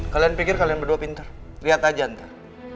kalian pikir kalian berdua pinter lihat aja ntar